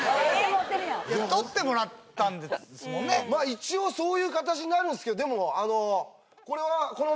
一応そういう形になるんすけどこれは。